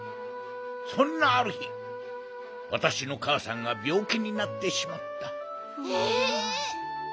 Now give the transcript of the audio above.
そんなあるひわたしのかあさんがびょうきになってしまった。